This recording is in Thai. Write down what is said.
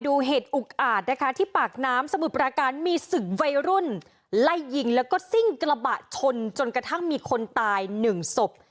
ดูเหตุอุกอาจนะคะที่ปากน้ำสมุทรปราการมีศึกวัยรุ่นไล่ยิงแล้วก็ซิ่งกระบะชนจนกระทั่งมีคนตายหนึ่งศพ